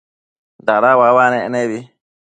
dada uabanec nebi